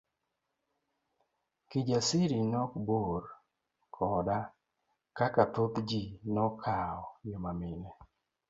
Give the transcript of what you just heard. Kijasiri nok mor koda kaka thoth ji nokawo joma mine.